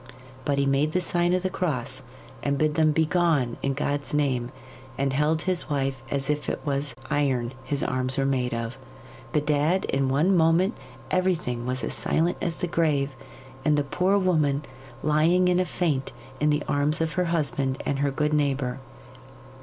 But he made the sign of the cross and bid them begone in God's name, and held his wife as if it was iron his arms were made of. Bedad, in one moment everything was as silent as the grave, and the poor woman lying in a faint in the arms of her husband and her good neighbour.